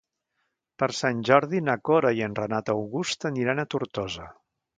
Per Sant Jordi na Cora i en Renat August aniran a Tortosa.